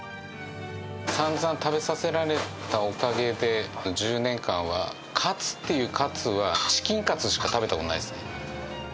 さんざん食べさせられたおかげで、１０年間は、カツっていうカツはチキンカツしか食べたことないですね。